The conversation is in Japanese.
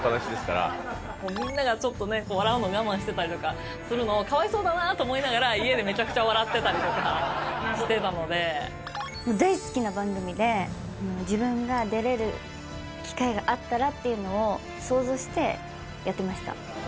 みんながちょっとね、笑うの我慢してたりとかするのを、かわいそうだなと思いながら家でめちゃくちゃ笑ってたりとかして大好きな番組で、自分が出れる機会があったらっていうのを、想像してやってました。